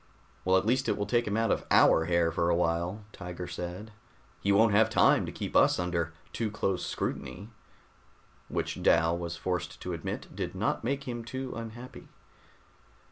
"Well, at least it will take him out of our hair for a while," Tiger said. "He won't have time to keep us under too close scrutiny." Which, Dal was forced to admit, did not make him too unhappy.